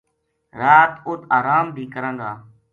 رات ات اَرام بی کراں گا